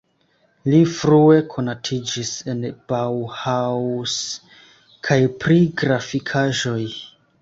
Li frue konatiĝis en Bauhaus kaj pri grafikaĵoj.